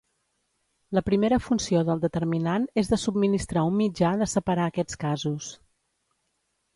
La primera funció del determinant és de subministrar un mitjà de separar aquests casos.